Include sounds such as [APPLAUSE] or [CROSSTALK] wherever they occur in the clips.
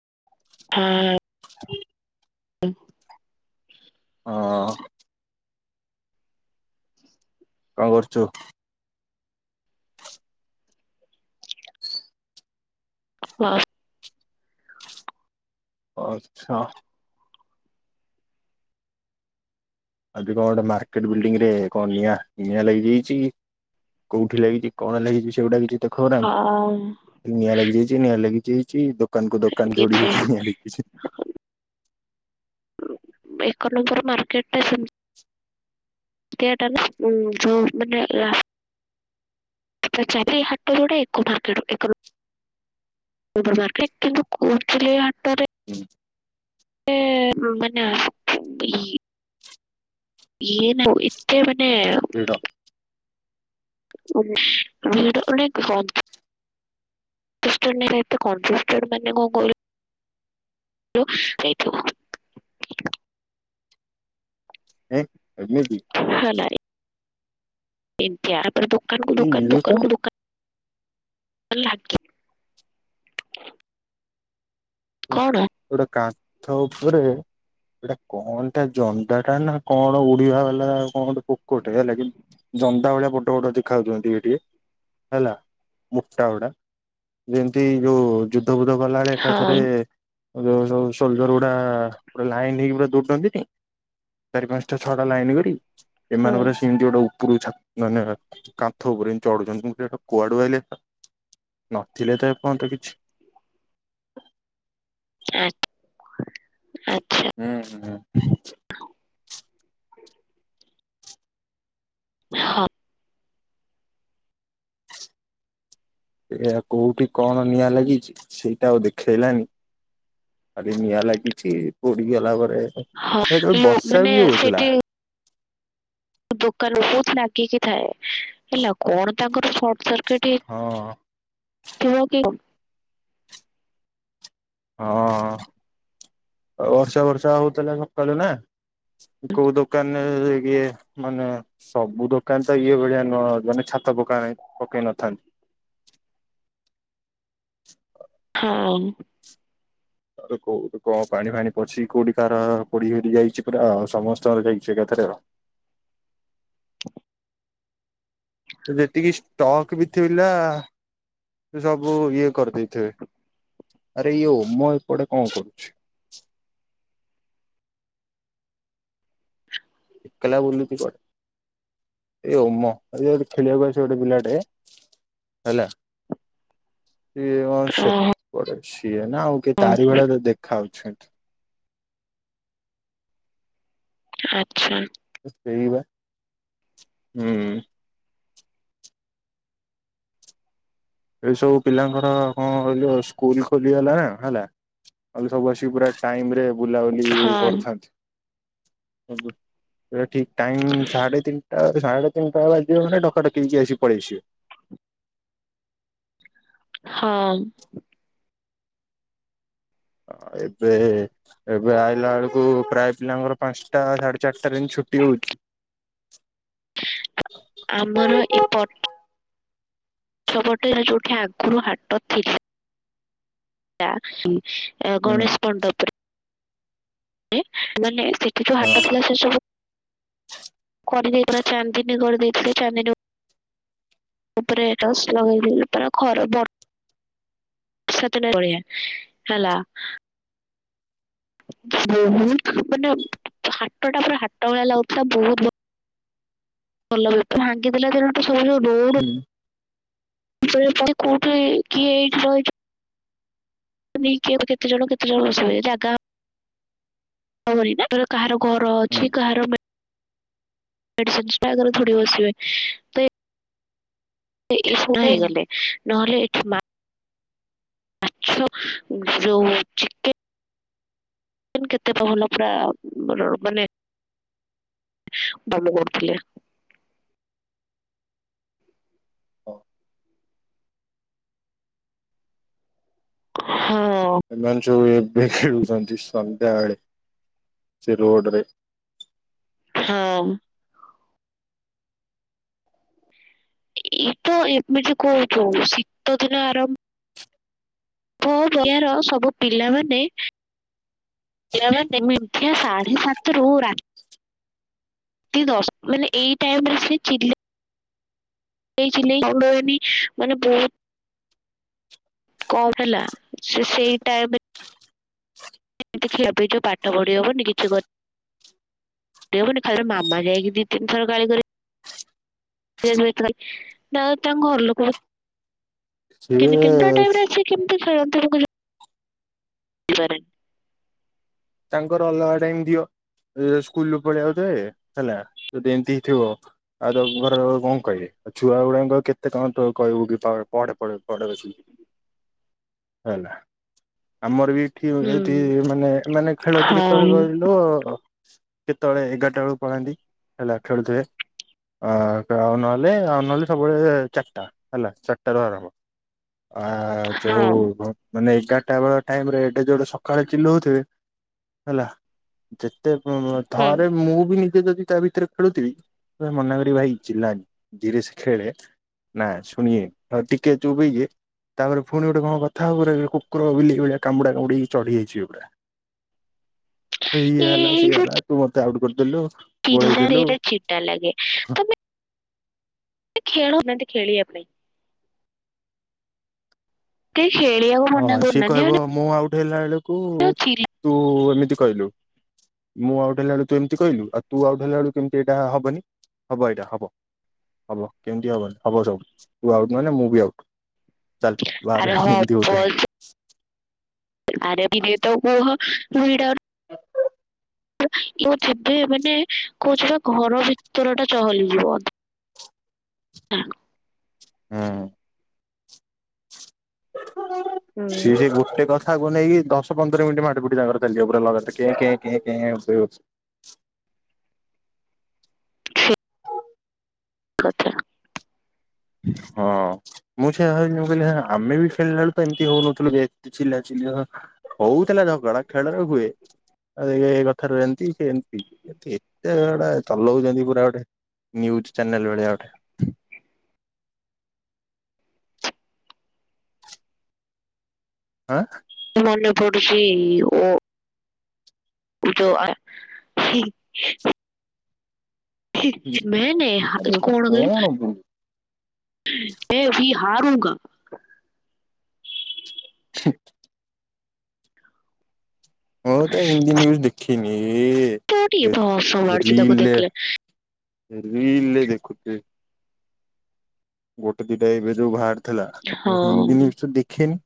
[INAUDIBLE] [INAUDIBLE] [INAUDIBLE] ହଁ। କଣ କରୁଚୁ? ହଁ। ଆଚ୍ଛା। ଆଜି କଣ ଗୋଟେ ମାର୍କେଟ ବିଲ୍ଡିଙ୍ଗରେ କଣ ନିଆ ନିଆଁ ଲାଗିଯାଇଛି। କୋଉଠି ଲାଗିଛି କଣ ଲାଗିଛି ସେଗୁଟା କିଛି ଦେଖାଉନାହାନ୍ତି। ନିଆଁ ଲାଗିଯାଇଚି ନିଆଁ ଲାଗି ଯାଇଚି। ଦୋକାନକୁ ଦୋକାନ ଯୋଡ଼ି ହେଇଛି। ନିଆ ଲିଭିଚି ଏକର ନଙ୍କର ମାର୍କେଟ ରେ ସେମ୍ ତିଆଟା ନା [UNINTELLIGIBLE] ପଛ ହାଟ ଯୋଟା ଏକ ମାର୍କେଟ ରୁ ଏକରୁ। ଉପର ମାର୍କେଟ କିନ୍ତୁ କୋଚଲି ହାଟର ହୁଁ। [UNINTELLIGIBLE] ମାନେ ବି ଇଏ ନ [UNINTELLIGIBLE] ଏତେ ମାନେ ଭିଡ [INAUDIBLE] [UNINTELLIGIBLE] ଏତେ କଜେଷ୍ଟେଟେଡ଼୍‌ ମାନେ କଣ କହିଲୁ [UNINTELLIGIBLE] ଏଁ ଏମିତି। ହେଲା ଏମିତିଆ। ତାପରେ ଦୋକାନକୁୁ ଏ ଦୋକାନ ଇଏ କଣ ଦୋକାନ କୁ ଦୋକାନ [UNINTELLIGIBLE] କଣ [UNINTELLIGIBLE] ଗୋଟେ କାନ୍ଥ ଉପରେ ଏଇଟା କଣଟା ଜନ୍ଦାଟା ନା କଣ ଉଡିବା ବାଲା କଣଟେ ପୋକଟେ ହେଲା କି ଜନ୍ଦା ଭଳିଆ ବଡ ବଡ ଦେଖାଯାଉଛନ୍ତି ଟିକେ ଟିକେ ହେଲା ମୁଟା ଗୁଡା। ଯେମିତି ଯୋଉ ଯୁଦ୍ଧ ବୁଦ୍ଧ ଗଲାବେେଳେ ଏକାଥରେ ହଁ ଉ ଯୋଉ ଯୋଉ ସୋଲ୍ଜର ଗୁଡା ପୁରା ଲାଇନ ହେଇକି ପୁରା ଦୌଡନ୍ତିନି। ଚାରି ପାଞ୍ଚଟା ଛଅଟା ଲାଇନ କରି ହୁଁ ଏମାନେ ପରା ସେମିତି ଗୋଟେ ଉପର କୁ ଛାତ ନାଇ ନାଇ କାନ୍ଥ ଉପରେ ଏମିତି ଚଢୁଛନ୍ତି ମୁ କଇଲି କୁଆଡୁ ଆଇଲେ ଏଗୁଡା। ନଥିଲେ ତ ଏପଯ୍ୟନ୍ତ କିଛି। ଆ [INAUDIBLE] ହୁଁ ହୁ ହଁ ହଁ, ଏଆ କୋଉଠି କଣ ନିଆଁ ଲାଗିଛି ସେଇଟା ଆଉ ଦେଖେଇଲାନି। ଆରେ ନିଆ ଲାଗିଛି ପଡିଗଲା ବ ହଁ ସେତେବେଳେ ଲୋ ବର୍ଷା ମାନେ ବି ହଉଥିଲା। ସେଠି ଦୋକାନ ବହୁତ ଲାଗିକି ଥାଏ ହେଲା କଣ ତାଙ୍କର ସବ ହଁ-ଅ-ଅ ିବା କି ହଁ ବର୍ଷା ବର୍ଷା ହଉଥିଲା ସକାଳୁ ନା କୋଉ ଦୋକାନ ଏ-ଏ-ଏ ଇଏ ମାନେ ସବୁ ଦୋକାନ ତ ଇଏ ଭଳିଆ ନୁହ ମାନେ ଛାତ ପକା ନାଇ ପକେଇ ନ [UNINTELLIGIBLE] ହ [UNINTELLIGIBLE] ଆ କୋଉଠି କଣ ପାଣି ଫାଣି ପସିଛି କୋଉଠି କାର ପୋଡି ପଡି ଯାଇଛି ପୁରା ଆ ସମସ୍ତଙ୍କର ଯାଇ [UNINTELLIGIBLE] [UNINTELLIGIBLE] ଯେତିକି ଷ୍ଟକ୍ ବି ଥିଲା ସବ ସବୁ ଇଏ କରିଦେଇଥିବେ। ଆରେ ୟୋ ମୁଁ ଏପଡେ କଣ କରୁଛି। [UNINTELLIGIBLE] ଏ ଉମ ଗୋଟେ ଖେଳିବାକୁ ଅଛି ଗୋଟେ ପିଲାଟେ ହେଲା [UNINTELLIGIBLE] ହଁ [UNINTELLIGIBLE] ସିଏ ନା ଆଉ କି ହଁ ତାରି ଭଳିଆ ତ ଦେଖାଉଛି। [UNINTELLIGIBLE] ଆଛା। ସେଇ ବା, ହୁଁ। ଏଇ ସବୁ ପିଲାଙ୍କର କଣ ଯ ସ୍କୁଲ ଖୋଲିଗଲା ନା ହେଲା ଆ ସବୁ ଆସିକି ପୁରା ଟାଇମ ରେ ବୁଲାବୁଲି ହଁ କରୁଥାନ୍ତି, କିନ୍ତୁ ଏଟା ଠିକ। ଟାଇମ୍ ସାଢ଼େ ତିନିଟା ସାଢେ ତିନିଟା ବାଜିବ ମାନେ ଡକା ଡକି ହେଇକି ଆସିବେ। ପଳେଇ ଆସିବେ। ହଁ-ଅ-ଅ ଅ ଏବେ, ଏବେ ଆଇଲା ବେଳକୁ ପ୍ରାୟ ପିଲାଙ୍କର ପାଞ୍ଚଟା ସାଢେ ଚାରିଟା ଏମିତି ଛୁ ଛୁଟି ହଉଛି। ଆମର ଏପ [UNINTELLIGIBLE] ଆଗରୁ ହାଟ ଥିଲା। ହୁଁ ଗଣେଶ ମଣ୍ଡପରୁ ମାନେ ସେଠି ଯୋଉ ହଁ ହାଟ ଥିଲା ସେ ସବୁ କରି ଦେଇପା ଚାଦିନୀ କରି ଦେଇଥିଲେ ଚାଦିନ ତା ଉପରେ ଏଟା ଲଗେଇ ପା ଘର ବ [UNINTELLIGIBLE] ହେଲା। ବହୁତ ମାନେ ହାଟ ଟା ପୁର ହାଟ ଭଳିଆ ଲାଗୁଥିଲା ବହୁତ ଲୋକ ଭାଙ୍ଗି ଦେଲେ ସବୁ ରୋ [UNINTELLIGIBLE] ହୁଁ କି କେତେ ଜଣ କେତେ ଜଣ ଯାଗା ହବନି, କାହାର ଘର ହୁଁ ଅଛି କାହାର ମେଡିସିନଟାରେ ଥୋଡ଼ି ବସିବେ ତ ଏ ଶୁଣା ହୁଁ। ହେଇଗଲେ, ନହେଲେ ଏଠ ମାଛ ଯୋଉ ଚିକେ ନ କେତେ ବା ଭଲା ପା ମାନେ ଭଲ କରୁଥିଲେ। ଓ ହଁ ଏମାନେ ସବୁ ବେ ଖେଳୁଛନ୍ତି ସନ୍ଧ୍ୟାବେଳେ, ସେ ରୋଡ଼ ରେ ହଁ ଅଁ ଏଇତ ଏମିତି କହୁଛୁ, ଶୀତ ଦିନ ଆରମ୍ଭ [UNINTELLIGIBLE] ସବୁ ପିଲାମାନେ [UNINTELLIGIBLE] ସାଢ଼େ ସାତରୁ ରା ତି ଦଶ ମାନେ ଏଇ ଟାଇମରେ ସେ ଚି ଲେଇ ଚିଲେଇ ଘୁଡ଼ନି ମାନେ ବହୁତ କଣ ହେଲା, ସେ ସେଇ ଟାଇମରେ [UNINTELLIGIBLE] ହବନି ଖା ମାମା ଯାଇକି ଦିତିନି ଥର ଗାଳି କରେ [UNINTELLIGIBLE] ତାଙ୍କ ଘର ଲୋକ ସିଏ ତିନି ତିନିଟା ଟାଇମରେ, ସେ କେମିତି ଖେଳନ୍ତି ମୁଁ କିଛି [UNINTELLIGIBLE] ତାଙ୍କର ଅଲଗା ଟାଇମ୍ ଦିଅ। ସ୍କୁଲରୁ ପଳେଇ ଆଉଥିବେ ହେଲା, ଯଦି -ଏମିତି ଥିବ ଆଉ ତ ଘର ଲୋକ କଣ କହିବେ? ଆଉ ଛୁଆ ଗୁଡାଙ୍କ ଆଉ କେତେ କଣ କହିବୁ କି ପଢ଼ ପଢ଼ ପଢ଼ ବସିକି। [INAUDIBLE] ହେଲା ଆମର ବି ଏଠି ଏଠି ହୁଁ। ମାନେ ମାନେ ଖେଳନ୍ତି ହଁ। କେତେବେଳେ କହିଲୁ? କେତେବେଳେ ଏଗାରଟା ବେଳକୁ ପଳାନ୍ତି ହେଲା ଖେଳୁଥିବେ? ଆ ଆଉ ନହେଲେ, ଆଉ ନହେଲେ ସବୁବେଳେ ଚାରିଟା ହେଲା, ଚାରିଟା ରୁ ଆରମ୍ଭ। ଆ ଯୋଉ ହଁ ମାନେ ଏଗାରଟା ବେଳ ଟାଇମ ରେ ଏଡ଼େ ଜୋରେ ସକାଳେ ଚିଲଉଥିବେ ହେଲା, ଯେତେ ଉଁ ହୁଁ ଥରେ ମୁଁ ବି ଯଦି ତା ଭିତରେ ଖେଳୁଥିବି, ମନା କରିବି ଭାଇ ଚିଲାନି ଧୀରେ ସେ ଖେଳେ ନା ଶୁଣିବେନି, ଟିକେ ଚୁପ୍ ହେଇଯିବେ ତାପରେ ପୁଣି ଗୋଟେ କଣ କଥା ହବ କୁକୁର ବିଲେଇ ଭଳିଆ କାମୁଡ଼ା କାମୁଡ଼ିକି ଚଢ଼ି ହେଇଯିବେ ପୁରା। ଇଏ ହେଲା, ସିଏ ହେଲା, ତୁ ମତେ ଆଉଟ କରିଦେଲୁ। ଗୋଳେଇ [UNINTELLIGIBLE] ଦେଲୁ ଏବେ ଚିଟା ଲାଗେ ତମେ ଖେଳଉନାହାନ୍ତି ଖେଳିବା ପାଇଁ କେହି ଖେଳିବାକୁ ମନା ହଁ ସିଏ କରୁନାହାନ୍ତି କହିବ ମୁଁ ଆଉଟ ହେଲା ବେଳକୁ ମାନେ ଚିଲା ତୁ ଏମିତି କହିଲୁ ମୁଁ ଆଉଟ୍ ହେଲା ବେଳକୁ ତୁ ଏମିତି କହିଲୁ ଆଉ ତୁ ଆଉଟ୍ ହେଲା ବେଳକୁ କେମିତି ଏଇଟା ହବନି, ହବ ଏଇଟା ହବ ହବ, କେମିତି ହବନି, ହବ ସବୁ ତୁ ଆଉଟ ମାନେ ମୁଁ ବି ଆଉଟ। ଚାଲ୍ ବାହାରେ ଆରେ ହବ ଏଇଠୁ ଏମିତି ହଉଥିବେ। [UNINTELLIGIBLE] ଏ ଯିବ ମାନେ କହୁଛି ବା ଘର ଭିତର ଟା ଚହଲିଯିବ [UNINTELLIGIBLE] ହୁଁ। ହୁଁ। ସେଇ ଗୋଟେ କ ଥାକୁ ନେଇକି ଦଶ ପନ୍ଦର ମିନିଟ୍ ମାଟି ଫୁଟି ତାଙ୍କର ଚାଲିଥିବ ପୁରା ଲଗାତାର କେଁ କେଁ କେଁ କେଁ [INAUDIBLE] କଥା। ହଁ ମୁଁ ସେୟା ଭାବିବି ମୁଁ କହିଲି ଆମେ ବି ଖେଳିଲା ବେଳକୁ ତ ଏମିତି ହଉନଥିଲୁ ଏତେ ଚିଲା ଚିଲି ହଉଥିଲା ଝଗଡ଼ା ଖେଳରେ ହୁଏ ଆଉ ଏ କଥାରେ ଏମିତି ସେ ଏମତି ଏତେ ଝଗଡ଼ା ଚଲଉଛନ୍ତି ପୁରା ଗୋଟେ। ନ୍ୟୁଜ ଚ୍ୟାନେଲ ଭଳିଆ ଗୋଟେ। ଆଁ? ମନେ ପଡିଚି ଓ ଉଟ ଆ [INAUDIBLE] ଆରେ ଏଟା କଣ ମୁଁ ମେଭି ହାରୁଙ୍ଗା। ସଟ୍ ହଁ ତ ହିନ୍ଦୀ ନ୍ୟୁଜ ଦେଖିନି। ଏ କୋଉଠି ଏବେ ହସ ଗୋଟେ ମାଡୁଛି ତାକୁ ରିଲରେ ଦେଖିଲେ ରିଲରେ ଦେଖୁଛି। ଗୋଟେ ଦିଟା ଏବେ ଯୋଉ ବାହାରି ଥିଲା ହଁ ମୁଁ ହିନ୍ଦୀ ଆକଚୁଆଲି ଦେଖେନି।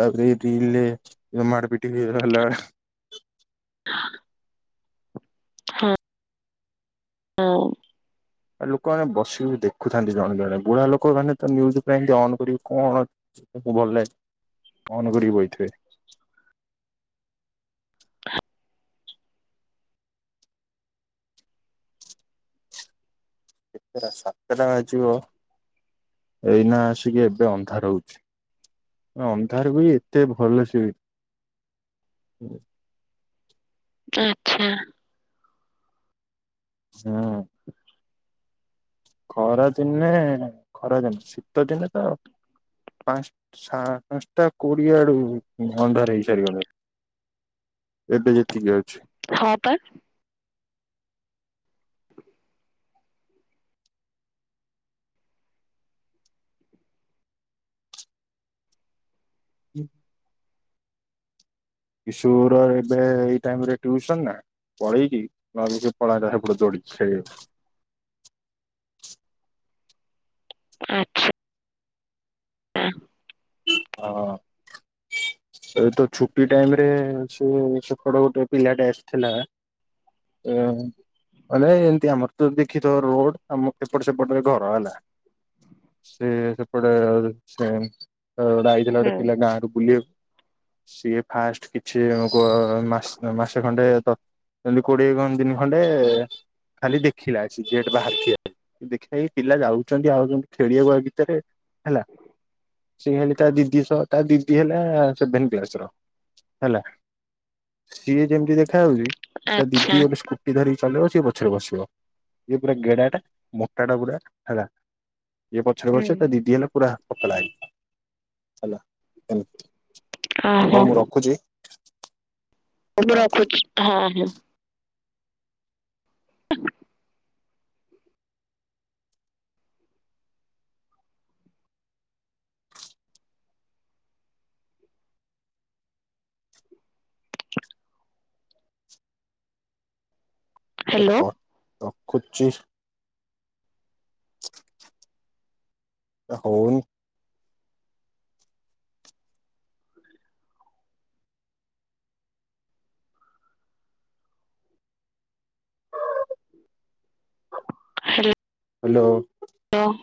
ତାପରେ [INAUDIBLE] ମାର ପିଟ ହେଲା। [UNINTELLIGIBLE] ହଁ। ହଁ। ଆ ଲୋକମାନେ ବସିକି ଦେଖୁଥାନ୍ତି ଜଣେ ଜଣେ ବୁଢା ଲୋକ ମାନେ ତ ନ୍ୟୁଜ ଏମତି ଅନ କରିବେ କଣ ତାକୁ ଭଲ ମନ କରିକି ବଇଥିବେ। [INAUDIBLE] ସେ ସାତ ଟା ଆ ଯିବ। ଏଇନା ଆସିକି ଏବେ ଅନ୍ଧାର ହଉଛି। ଅନ୍ଧାରକୁ ଏତେ ଭଲ ସେ। ଆଚ୍ଛା। ହଁ। [INAUDIBLE] ଖରାଦିନେ ଖରାଦିନେ ଶୀତ ଦିନେ ତ ପାଞ୍ଚ ପାଞ୍ଚଟା କୋଡିଏ ଆଡୁ ଅନ୍ଧାର ହେଇସାରିବଣି। ଏବେ ଯେତିକି ଅଛି। ହଁ ପା [UNINTELLIGIBLE] କିଶୋର ଏବେ ଏଇ ଟାଇମରେ ଟ୍ୟୁସନ ନା। ପଳେଇକି [INAUDIBLE] ସେପ [UNINTELLIGIBLE] ଚଢ଼ିଚି। ଆଚ୍ଛା। ହଁ। ଏ ତ ଛୁଟି ଟାଇମ ରେ ସେ ସେପଟ ଗୋଟେ ପିଲାଟେ ଆସିଥିଲା। ହଁ। [UNINTELLIGIBLE] ଏମିତି ଆମର ତ ଦେଖିଥିବ ରୋଡ ଆମ ଏପଟ ସେପଟରେ ଘର ହେଲା। ସେ ସେପଟେ ସେ ଗୋଟେ ହେଇଥିଲା ହୁଁ। ଗୋଟେ ପିଲା ଗାଁ ର ବୁଲିବାକୁ। [INAUDIBLE] ସିଏ ଫାଷ୍ଟ କିଛି [UNINTELLIGIBLE] ମା ମାସେ ଖଣ୍ଡେ ଏମିତି କୋଡିଏ କଣ ଦିନ ଖଣ୍ଡେ ଖାଲି ଦେଖିଲା। ସେ ଗେଟ୍ ବାହାରେ ଠିଆ ହୋଇ ଦେଖିଲା କି ପିଲା ଯାଉଛନ୍ତି ଆଉଛନ୍ତି ଖେଳିବାକୁ ଭିତରେ ହେଲା। ସିଏ ହେଲେ ତା ଦିଦି ସହ ତା ଦିଦି ହେଲା ସେଭନ କ୍ଲାସର ହେଲା। ସିଏ ଯେମିତି ଦେଖାଯାଉଛି ତା ଆଚ୍ଛା। ଦିଦି ଗୋଟେ ସ୍କୁଟି ଧରିକି ଚଲେଇ ସେ ପଛରେ ବସିବ। ଇଏ ପୁରା ଗେଡାଟା ମୋଟା ଟା ପୁରା ହେଲା। ଇଏ ପଛରେ ହୁଁ। ବସିବ ତା ଦିଦି ହେଲା ପୁରା ପତଳା ହେଇକି ହେଲା। ଓହୋ ହଉ ମୁଁ ରଖୁଚି। ମୁଁ ବି ରଖୁଚି। ହଁ ହଁ। [UNINTELLIGIBLE] ହ୍ୟାଲୋ ରଖୁଚି। ହଉ। ହ୍ୟାଲୋ। ହ୍ୟାଲୋ।